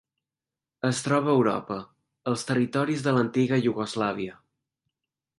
Es troba a Europa: els territoris de l'antiga Iugoslàvia.